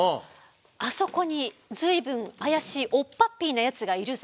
あそこに随分怪しいオッパッピーなやつがいるぞ。